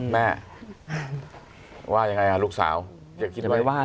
แม่ว่ายังไงลูกสาว